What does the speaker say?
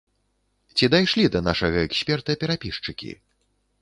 Ці дайшлі да нашага эксперта перапісчыкі?